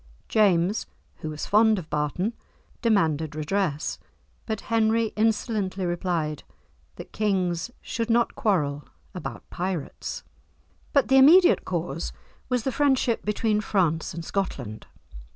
James, who was fond of Barton, demanded redress, but Henry insolently replied that kings should not quarrel about pirates. But the immediate cause was the friendship between France and Scotland.